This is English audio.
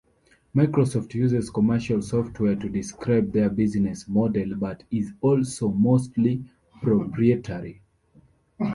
Microsoft uses "commercial software", to describe their business model but is also mostly proprietary.